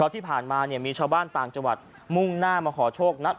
ต่างจังหวัดหล่อมุงน่าคอโชค